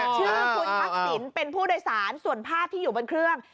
ชื่อคุณทักษิณเป็นผู้โดยสารส่วนภาพที่อยู่บนเครื่อง